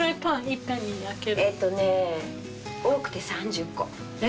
えっとね多くて３０個。え！